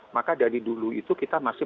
maka dari dulu itu kita masih